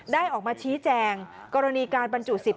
ได้ออกมาชี้แจงกรณีการบรรจุสิทธ